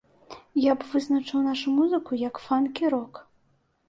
Я б вызначаў нашу музыку, як фанкі-рок.